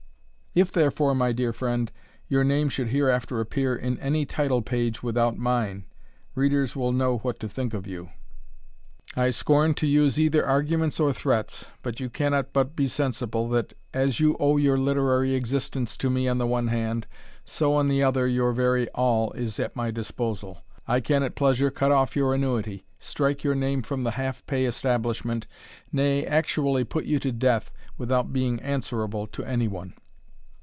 If, therefore, my dear friend, your name should hereafter appear in any title page without mine, readers will know what to think of you. I scorn to use either arguments or threats; but you cannot but be sensible, that, as you owe your literary existence to me on the one hand, so, on the other, your very all is at my disposal. I can at pleasure cut off your annuity, strike your name from the half pay establishment, nay, actually put you to death, without being answerable to any one.